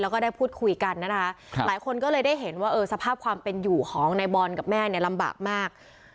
แล้วก็ได้พูดคุยกันนะคะหลายคนก็เลยได้เห็นว่าสภาพความเป็นอยู่ของนายบอลกับแม่เนี่ยลำบากมาก